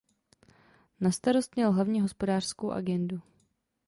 Na starost měl hlavně hospodářskou agendu.